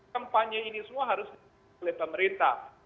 kampanye ini semua harus dilakukan oleh pemerintah